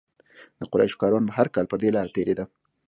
د قریشو کاروان به هر کال پر دې لاره تېرېده.